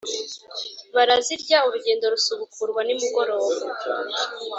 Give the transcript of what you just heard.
barazirya urugendo rusubukurwa nimugoroba